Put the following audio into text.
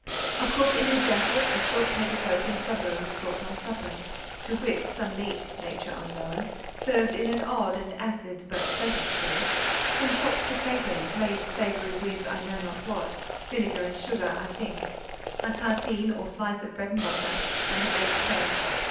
A cook in a jacket, a short petticoat and sabots, brought my supper: to wit—some meat, nature unknown, served in an odd and acid, but pleasant sauce; some chopped potatoes, made savoury with, I know not what: vinegar and sugar, I think: a tartine, or slice of bread and butter, and a baked pear.